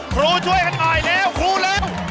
ครูช่วยกันหน่อยเร็วครูเร็ว